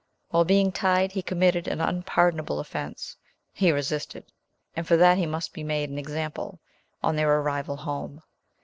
While being tied, he committed an unpardonable offence: he resisted, and for that he must be made an example on their arrival home.